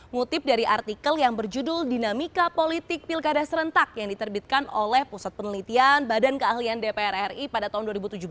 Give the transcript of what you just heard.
ngutip dari artikel yang berjudul dinamika politik pilkada serentak yang diterbitkan oleh pusat penelitian badan keahlian dpr ri pada tahun dua ribu tujuh belas